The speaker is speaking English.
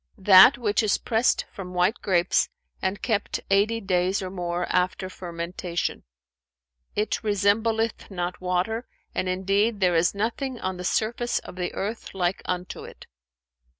"That which is pressed from white grapes and kept eighty days or more after fermentation: it resembleth not water and indeed there is nothing on the surface of the earth like unto it."